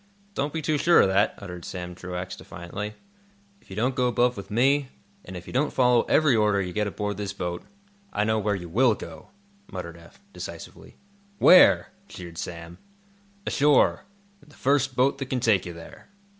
"Don't be too sure of that," uttered Sam Truax, defiantly. "If you don't go above with me, and if you don't follow every order you get aboard this boat, I know where you will go," muttered Eph, decisively. "Where?" jeered Sam. "Ashore—in the first boat that can take you there."